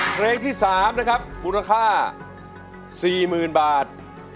เพลงที่สามนะครับมูลค่าสี่หมื่นบาท